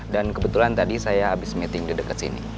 dan kebetulan tadi saya habis meeting di deket sini